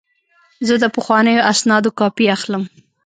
زه د پخوانیو اسنادو کاپي اخلم.